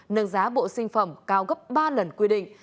nâng giá bộ sinh phẩm cao gấp ba lần quy định